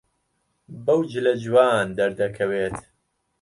بەو جلە جوان دەردەکەوێت.